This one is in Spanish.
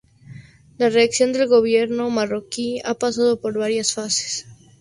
La reacción del gobierno marroquí ha pasado por varias fases.